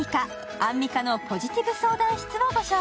アンミカのポジティブ相談室」。